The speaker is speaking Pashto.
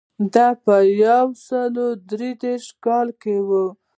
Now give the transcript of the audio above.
دا په یو سوه درې دېرش کال کې و